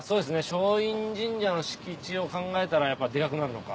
松陰神社の敷地を考えたらやっぱデカくなるのか。